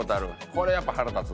これやっぱ腹立つ？